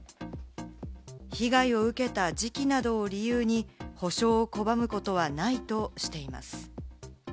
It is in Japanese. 被害を受けた時期などを理由に補償を拒むことはないとしています。